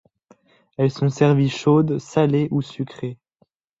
Elles sont servies chaudes, salées ou sucrées.